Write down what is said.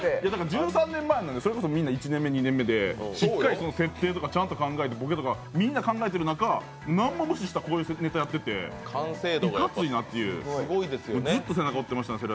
１３年前の、それこそ１年目、１２年目でしっかり設定とかちゃんと考えて、ボケとかみんな考えている中何も無視したネタやってていかついなっていう、ずっとすごいなと思ってました。